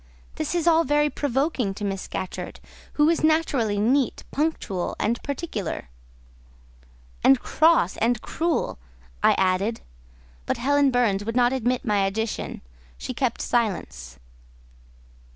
This is all very provoking to Miss Scatcherd, who is naturally neat, punctual, and particular." "And cross and cruel," I added; but Helen Burns would not admit my addition: she kept silence.